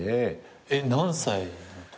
えっ何歳のとき。